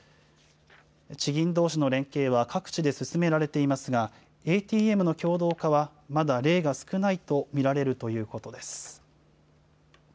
地銀どうしの連携は各地で進められていますが、ＡＴＭの共同化は、まだ例が少ないと見られるということです。